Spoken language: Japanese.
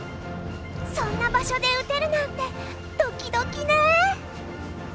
そんな場所で打てるなんてドキドキね。